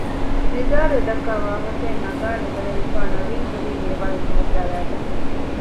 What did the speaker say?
ނިޒާރު އެދައްކާ ވާހަކައެއް ނަގާ ނުގަނެވިފައި ނަވީން ހުރީ ނޭވާ ހިފަހައްޓާލައިގެން